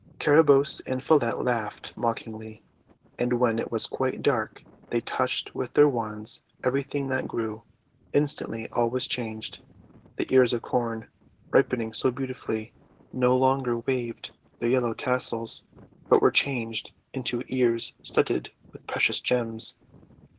Carabosse and Follette laughed mockingly; and when it was quite dark they touched with their wands everything that grew. Instantly all was changed. The ears of Corn, ripening so beautifully, no longer waved their yellow tassels, but were changed into ears studded with precious gems.